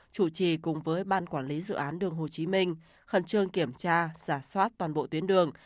chủ trì cùng với ban quản lý dự án đường hồ chí minh khẩn trương kiểm tra giả soát toàn bộ tuyến đường